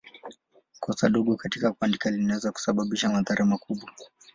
Kosa dogo katika kuandika linaweza kusababisha madhara makubwa.